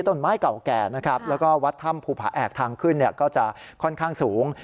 ต้นไม้เก่าแก่นะครับแล้วก็วัดถ้ำภูผาแอกทางขึ้นก็จะค่อนข้างสูง